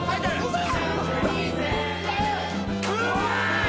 うわ。